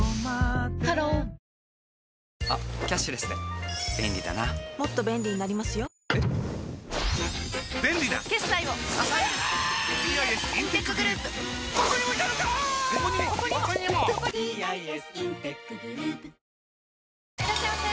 ハローいらっしゃいませ！